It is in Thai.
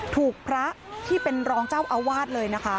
ถูกพระที่เป็นรองเจ้าอาวาสเลยนะคะ